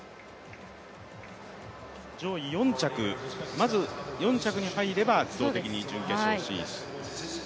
上位まず４着に入れば自動的に準決勝進出。